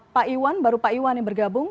pak iwan baru pak iwan yang bergabung